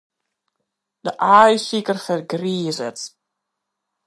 De aaisiker fergrizet.